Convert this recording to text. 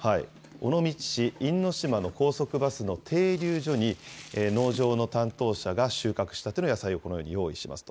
尾道市因島の高速バスの停留所に、農場の担当者が収穫したての野菜を、このように用意します。